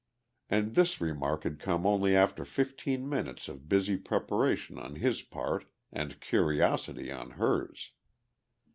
And this remark had come only after fifteen minutes of busy preparation on his part and curiosity on hers.